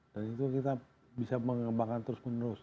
dan itu kita bisa mengembangkan terus menerus